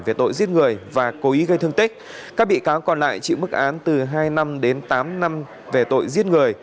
về tội giết người và cố ý gây thương tích các bị cáo còn lại chịu mức án từ hai năm đến tám năm về tội giết người